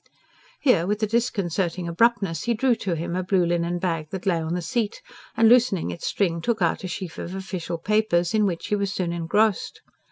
Here, with a disconcerting abruptness, he drew to him a blue linen bag that lay on the seat, and loosening its string took out a sheaf of official papers, in which he was soon engrossed.